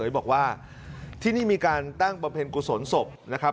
บอกว่าที่นี่มีการตั้งบำเพ็ญกุศลศพนะครับ